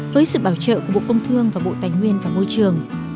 với sự bảo trợ của bộ công thương và bộ tài nguyên và môi trường